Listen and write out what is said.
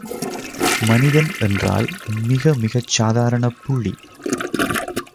மனிதன் என்றால், மிக மிகச் சாதாரணப் புள்ளி.